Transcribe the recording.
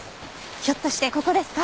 ひょっとしてここですか？